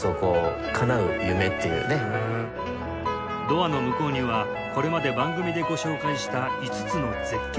ドアの向こうにはこれまで番組でご紹介した５つの絶景が広がっています